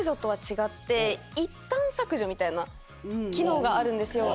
みたいな機能があるんですよ。